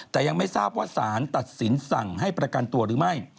แต่ยังไม่ทราบว่าสารตัดสินสั่งให้ประกันตัวหรือไม่